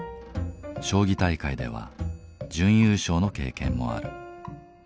将棋大会では準優勝の経験もある。